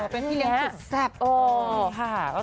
เป็นพี่เลี้ยสุดแซ่บ